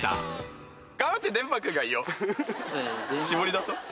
絞り出そ。